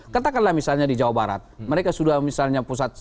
katakanlah misalnya di jawa barat mereka sudah misalnya pusat